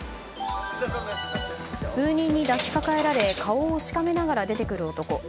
数人に抱きかかえられ顔をしかめながら出てくる男。